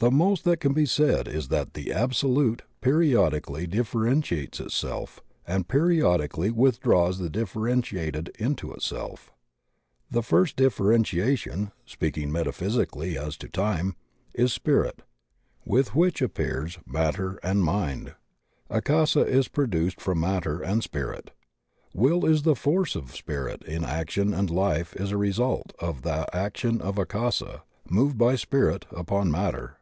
The most that can be said is that the Absolute periodically differenti ates itself, and periodically withdraws the differenti ated into itself. The first differentiation — speaking metaphysically as to time — is Spirit, with which appears Matter and Mind. Akasa is produced from Matter and Spirit, Will is the force of Spirit in action and Life is a result ant of the action of Akasa, moved by Spirit, upon Matter.